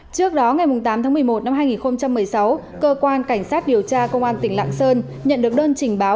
trước đó ngày tám tháng một mươi một năm hai nghìn một mươi sáu cơ quan cảnh sát điều tra công an tỉnh lạng sơn nhận được đơn trình báo